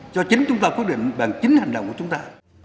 do chính chúng ta quyết định bằng chính hành động của chúng ta